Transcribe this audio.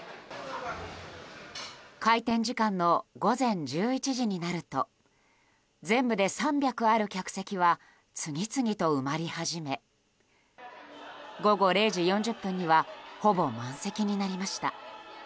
開店時間の午前１１時になると全部で３００ある客席は次々と埋まり始め午後０時４０分にはほぼ満席になりました。